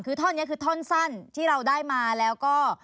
คือท่อนนี้คือท่อนสั้นที่เราได้มาแล้วก็